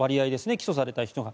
起訴された人が。